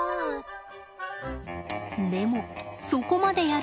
でも「そこまでやる？」